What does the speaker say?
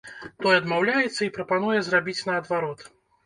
Той адмаўляецца і прапануе зрабіць наадварот.